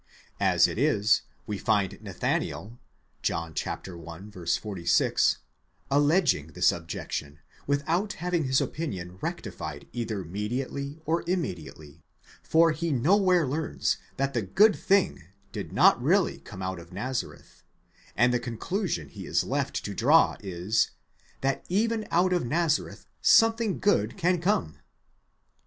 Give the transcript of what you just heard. As it is, we find Nathanael, John i. 46, alleging this objection, without having his opinion rectified either mediately or immediately, for he nowhere learns that the good thing did not really come out of Nazareth, and the conclusion he is left to draw is, that even out of Nazareth something good can come.